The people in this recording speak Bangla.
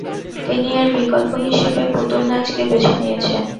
তিনি এর বিকল্প হিসেবে পুতুলনাচকে বেছে নিয়েছিলেন ।